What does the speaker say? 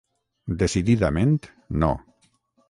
Decididament, no.